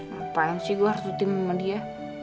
ngapain sih gue harus dutin sama dia